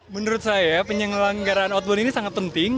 menurut saya penyelenggaraan outbound ini sangat penting